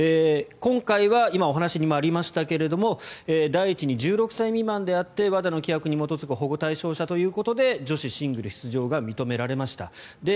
今回は今、お話にもありましたが第一に１６歳未満でありＷＡＤＡの規約に基づく保護対象者であり女子シングル出場が認められました。